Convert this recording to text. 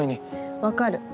分かる。